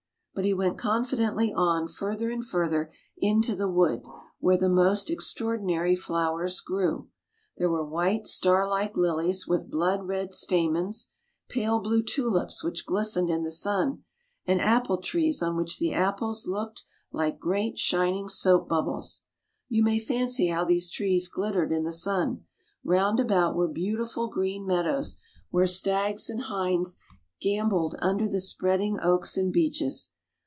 But he went confidently on further and further into the wood, where the most extraordinary flowers grew. There were white star like lilies with blood red stamens, pale blue tulips which glistened in the sun, and apple trees on which the apples looked like great shining soap bubbles. You may fancy how these trees glittered in the sun. Round about were beautiful green meadows, where stags and hinds gambolled under the spreading oaks and beeches.